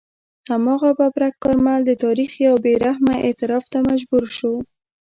هماغه ببرک کارمل د تاریخ یو بې رحمه اعتراف ته مجبور شو.